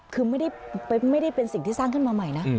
คือไม่ได้เป็นสิ่งที่สร้างขึ้นมาใหม่นะ